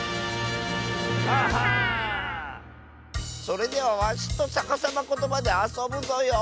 それではわしとさかさまことばであそぶぞよ。